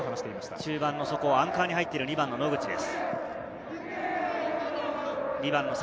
中盤の底、アンカーに入っている野口です。